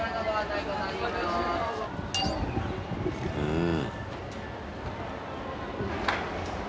うん。